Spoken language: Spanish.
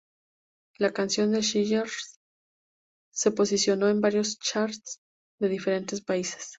La canción de Skrillex se posicionó en varios charts de diferentes países.